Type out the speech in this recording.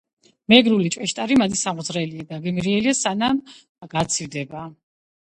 მეგრული ჭვიშტარი მადისაღმძვრელი და გემრიელია მანამ, სანამ გაცივდება.